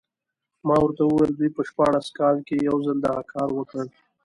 ما ورته وویل دوی په شپاړس کال کې یو ځل دغه کار وکړ.